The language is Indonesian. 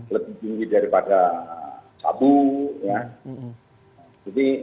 lebih tinggi daripada satu ya